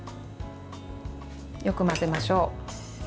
よく混ぜましょう。